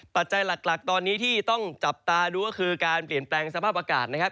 ปัจจัยหลักตอนนี้ที่ต้องจับตาดูก็คือการเปลี่ยนแปลงสภาพอากาศนะครับ